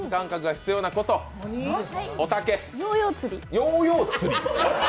ヨーヨー釣り。